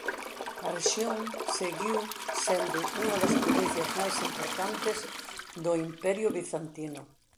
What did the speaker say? A rexión seguiu sendo unha das provincias máis importantes do Imperio bizantino.